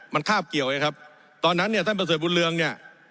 มันคาบเกี่ยวไงครับตอนนั้นเนี่ยท่านประเสริฐบุญเรืองเนี่ย